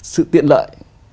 sự tiện lợi